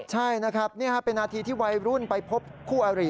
ใช่นะครับนี่เป็นนาทีที่วัยรุ่นไปพบคู่อาริ